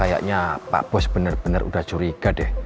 kayaknya pak bos bener bener udah curiga deh